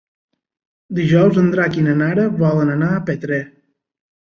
Dijous en Drac i na Nara volen anar a Petrer.